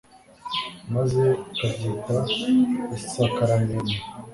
maze bakabyita isakaramentu